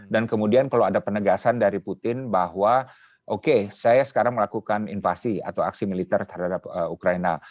dan kemudian kalau ada penegasan dari putin bahwa oke saya sekarang melakukan invasi atau aksi militer terhadap ukraina